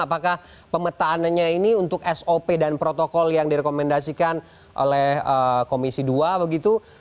apakah pemetaannya ini untuk sop dan protokol yang direkomendasikan oleh komisi dua begitu